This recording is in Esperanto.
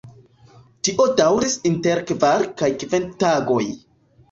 Tio daŭris inter kvar kaj kvin tagoj.